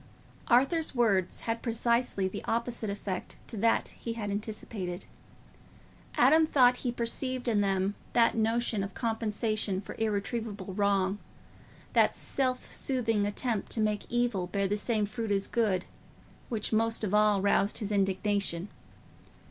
Arthur's words had precisely the opposite effect to that he had anticipated. Adam thought he perceived in them that notion of compensation for irretrievable wrong, that self soothing attempt to make evil bear the same fruits as good, which most of all roused his indignation.